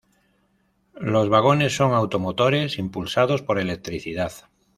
Los vagones son automotores impulsados por electricidad.